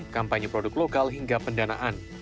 kampanye produk lokal hingga pendanaan